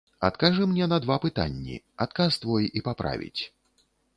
Адкажы мне на два пытанні, адказ твой і паправіць.